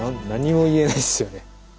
何も言えないですよね。